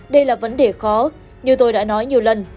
đây là vấn đề khó như tôi đã nói nhiều lần